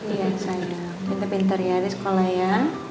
iya sayang kita pinter ya di sekolah ya